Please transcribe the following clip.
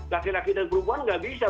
laki laki dan perempuan nggak bisa